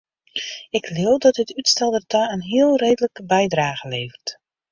Ik leau dat dit útstel dêrta in heel reedlike bydrage leveret.